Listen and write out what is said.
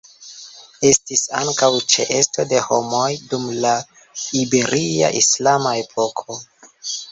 Estis ankaŭ ĉeesto de homoj dum la Iberia islama epoko.